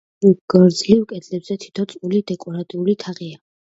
გრძივ კედლებზე თითო წყვილი დეკორატიული თაღია.